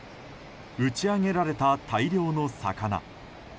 打ち上げられた、大量の魚。